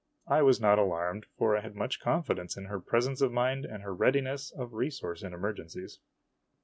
I was not alarmed, for I had much confidence in her presence of mind and her readiness of resource in emergencies.